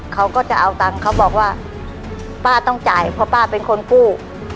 เขาก็จะเอาตังค์เขาบอกว่าป้าต้องจ่ายเพราะป้าเป็นคนกู้